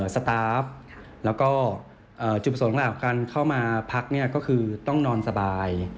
สตาฟแล้วก็จุดประสงค์หลักการเข้ามาพักก็คือต้องนอนสบาย